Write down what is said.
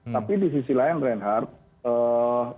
tapi di sisi lain reinhardt